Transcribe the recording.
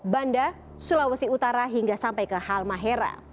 banda sulawesi utara hingga sampai ke halmahera